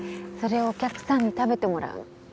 それをお客さんに食べてもらう